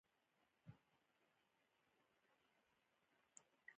زه ولاړم هماغلته ودرېدم، بګۍ ته مې تر هغه مهاله کتل.